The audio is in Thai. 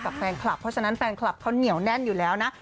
แฟนคลับเพราะฉะนั้นแฟนคลับเขาเหนียวแน่นอยู่แล้วนะ